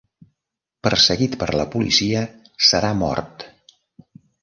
Perseguit per la policia, serà mort.